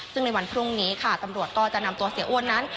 ซึ่งในวันพรุ่งนี้ค่ะตำรวจก็จะนำตัวเสียอ้วนนั้น